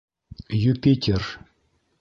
Юпитер!